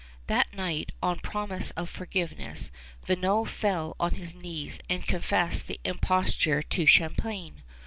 That night, on promise of forgiveness, Vignau fell on his knees and confessed the imposture to Champlain.